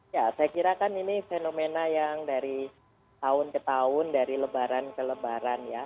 ya saya kira kan ini fenomena yang dari tahun ke tahun dari lebaran ke lebaran ya